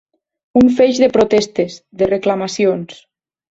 Un feix de protestes, de reclamacions.